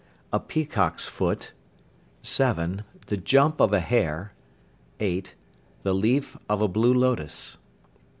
A peacock's foot. 7. The jump of a hare. 8. The leaf of a blue lotus.